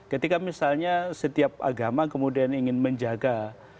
ketika misalnya setiap agama kemudian ingin menjaga